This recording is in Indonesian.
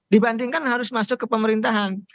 dibandingkan harus masuk ke pemerintahan